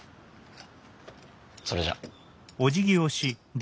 それじゃ。